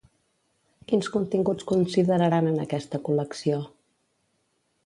Quins continguts consideraran en aquesta col·lecció?